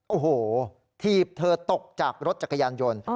โอ้โหถีบเธอตกจากรถจักรยานยนต์